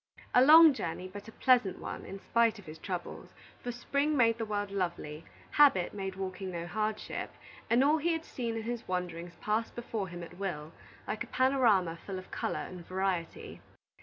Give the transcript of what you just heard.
A long journey, but a pleasant one, in spite of his troubles; for spring made the world lovely, habit made walking no hardship, and all he had seen in his wanderings passed before him at will, like a panorama full of color and variety.